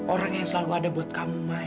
orang yang selalu ada buat kamu